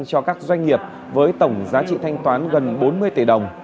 cho các doanh nghiệp với tổng giá trị thanh toán gần bốn mươi tỷ đồng